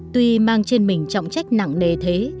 tuy mang trên mình trọng trách nặng đề thế